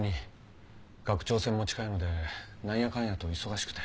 学長選も近いのでなんやかんやと忙しくて。